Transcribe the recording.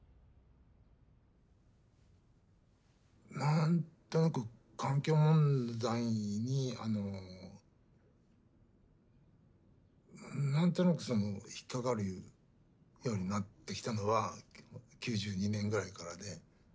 何となく環境問題にあの何となくその引っ掛かるようになってきたのは９２年ぐらいからで。